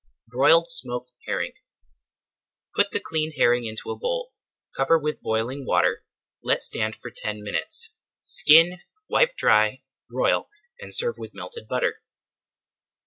BROILED SMOKED HERRING Put the cleaned herring into a bowl, cover with boiling water, let stand for ten minutes, skin, wipe dry, broil, and serve with melted butter.